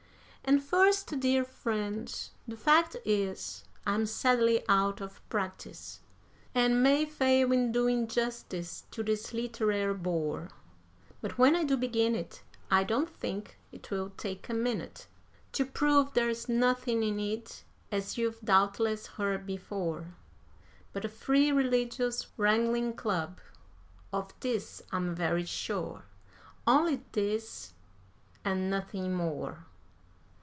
And first, dear friends, the fact is, I'm sadly out of practice, And may fail in doing justice to this literary bore; But when I do begin it, I don't think 'twill take a minute To prove there's nothing in it (as you've doubtless heard before), But a free religious wrangling club of this I'm very sure Only this and nothing more!